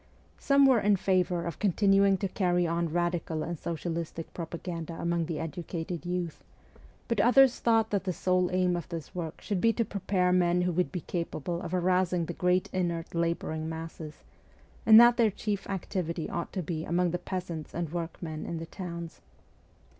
Some were in favour of continuing to carry on radical and socialistic propaganda among the educated youth ; but others thought that the sole aim of this work should be to prepare men who would be capable of arousing the great inert labouring masses, and that their chief activity ought to be among the peasants and workmen in the towns.